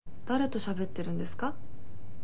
誰としゃべってるんですか？